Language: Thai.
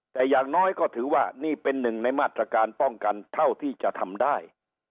แต่อย่างน้อยก็ถือว่านี่เป็นหนึ่งในมาตรการป้องกันเท่าที่จะทำได้